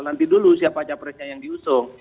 nanti dulu siapa capresnya yang diusung